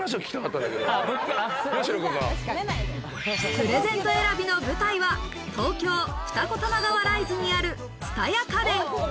プレゼント選びの舞台は東京・二子玉川ライズにある蔦屋家電。